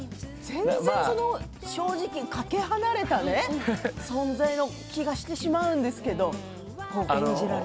全然正直かけ離れた存在な気がしてしまうんですけど。